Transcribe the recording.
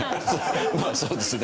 まあそうですね。